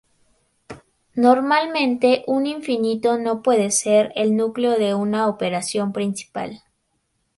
Normalmente un infinitivo no puede ser el núcleo de una oración principal.